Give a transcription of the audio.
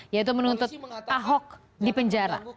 yaitu menuntut ahok di penjara